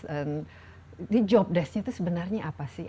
ini job desk nya itu sebenarnya apa sih